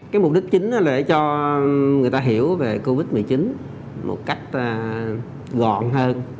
cái mục đích chính để cho người ta hiểu về covid một mươi chín một cách gọn hơn